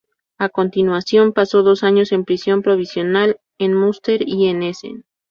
A continuación pasó dos años en prisión provisional en Münster y en Essen.